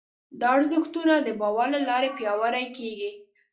دا ارزښتونه د باور له لارې پياوړي کېږي.